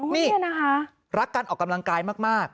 นี่รักกันออกกำลังกายมาก